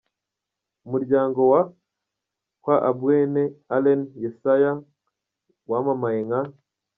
Umuryango wo kwa Ambwene Allen Yessayah wamamaye nka A.